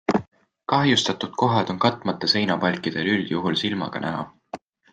Kahjustatud kohad on katmata seinapalkidel üldjuhul silmaga näha.